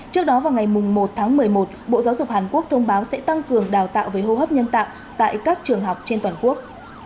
trước đó vào ngày một tháng một mươi một bộ giáo dục hàn quốc thông báo sẽ tăng cường đào tạo về hô hấp nhân tạo tại các trường học trên toàn quốc